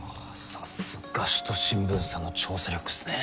さすが「首都新聞」さんの調査力っすね。